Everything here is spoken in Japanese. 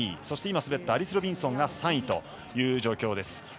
そしてアリス・ロビンソンが３位という状況です。